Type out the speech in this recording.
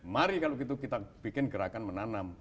mari kalau gitu kita bikin gerakan menanam